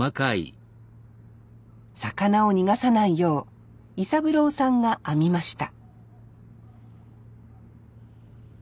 魚を逃がさないよう伊三郎さんが編みました